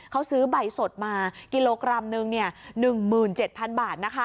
เขาซื้อใบสดมากิโลกรัมนึง๑๗๐๐บาท